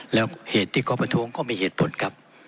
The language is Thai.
แล้วเหตุที่เขาประท้วงก็มีเหตุผลครับ